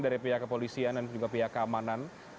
dari pihak kepolisian dan juga pihak keamanan